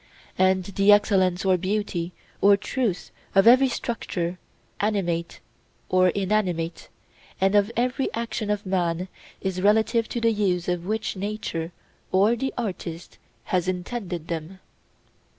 And the excellence or beauty or truth of every structure, animate or inanimate, and of every action of man, is relative to the use for which nature or the artist has intended them.